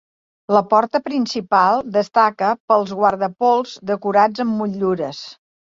La porta principal destaca pels guardapols decorats amb motllures.